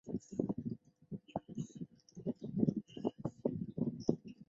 池袋西口公园是位于日本东京都丰岛区池袋的一处公园。